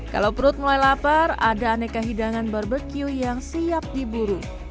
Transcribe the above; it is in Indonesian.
kalau perut mulai lapar ada aneka hidangan barbecue yang siap diburu